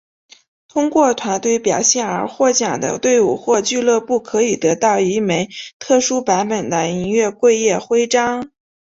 通过团队表现而获奖的队伍或俱乐部可以得到一枚特殊版本的银月桂叶徽章。